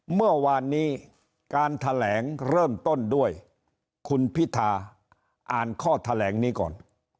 เมื่อวานนี้การแถลงเริ่มต้นด้วยคุณพิธาอ่านข้อแถลงนี้ก่อน